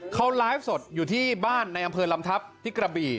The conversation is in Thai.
เขาไลฟ์สดอยู่ที่บ้านในรำทัพติกรบิ